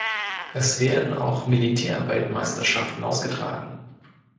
Es werden auch Militärweltmeisterschaften ausgetragen.